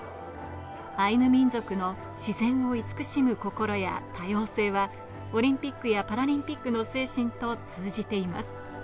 アイヌ民族の自然を慈しむ心や多様性は、オリンピックやパラリンピックの精神と通じています。